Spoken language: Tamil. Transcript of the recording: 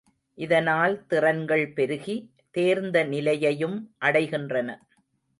இதனால் திறன்கள் பெருகி, தேர்ந்த நிலையையும் அடைகின்றன.